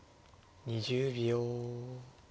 ２０秒。